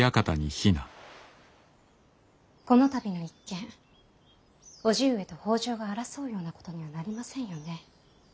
この度の一件叔父上と北条が争うようなことにはなりませんよね。